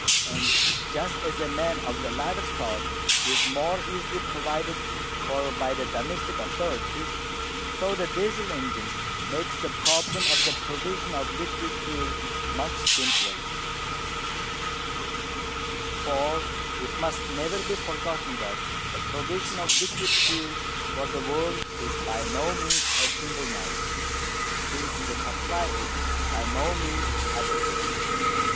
And just as a man of the latter sort is more easily provided for by the domestic authorities, so the Diesel engine makes the problem of the provision of liquid fuel much simpler. For it must never be forgotten that the provision of liquid fuel for the world is by no means a simple matter, since the supply is by no means adequate.